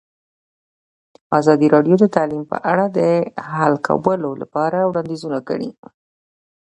ازادي راډیو د تعلیم په اړه د حل کولو لپاره وړاندیزونه کړي.